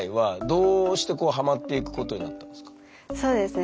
そうですね。